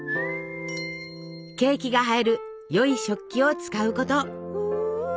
ケーキが映えるよい食器を使うこと。